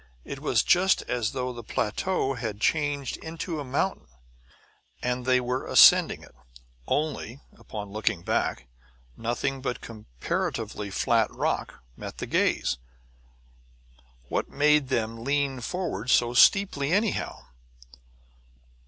It was just as though the plateau had changed into a mountain, and they were ascending it; only, upon looking back, nothing but comparatively flat rock met the gaze. What made them lean forward so steeply anyhow?